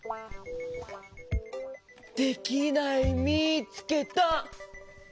できないみつけた。